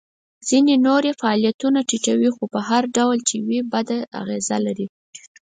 ځینې نور یې فعالیتونه ټیټوي خو په هر ډول چې وي بده اغیزه لري.